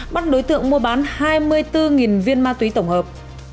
bắt đối tượng mua bán hai mươi bốn viên ma túy tổng hợp